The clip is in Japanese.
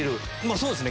そうですね。